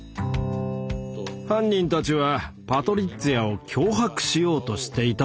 犯人たちはパトリッツィアを脅迫しようとしていたというんだ。